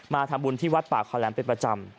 ทำบุญที่วัดป่าคอแหลมเป็นประจำ